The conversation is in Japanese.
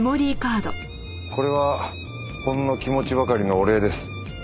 これはほんの気持ちばかりのお礼です。